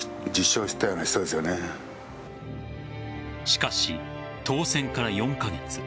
しかし、当選から４カ月。